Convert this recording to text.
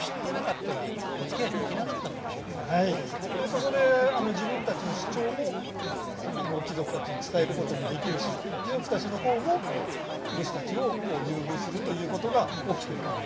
そこで自分たちの主張も貴族たちに伝えることもできるし貴族たちの方も武士たちを優遇するということが起きてくる。